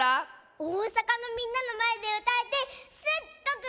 おおさかのみんなのまえでうたえてすっごくうれしかった！